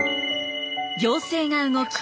行政が動き